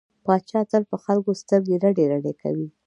پاچا تل په خلکو سترګې رډې رډې کوي.